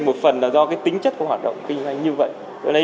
một phần là do cái tính chất của hoạt động kinh doanh như vậy